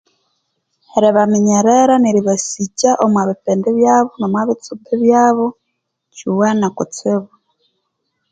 Eribaminyerera neribasikya omobipindi byabo nomubitsumbi byabo kiwene kutsibu